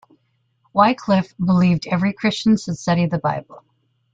Wycliffe believed every Christian should study the Bible.